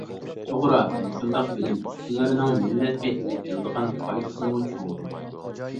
توغرا مۇشۇنداق بىلىم ئۇستىلىرىنىڭ مىللەتكە ئېلىپ كېلىدىغان پايدىسىمۇ چوڭدۇر!